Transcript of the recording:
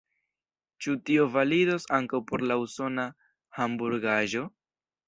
Ĉu tio validos ankaŭ por la usona hamburgaĵo?